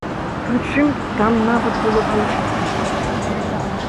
Прычым, там нават было больш груба.